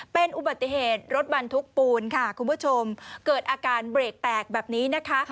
เป็นอุบัติเหตุรถบรรทุกปูนค่ะคุณผู้ชมเกิดอาการเบรกแตกแบบนี้นะคะ